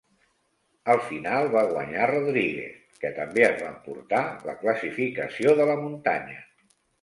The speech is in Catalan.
Al final va guanyar Rodríguez, que també es va emportar la classificació de la muntanya.